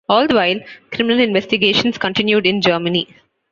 All the while, criminal investigations continued in Germany.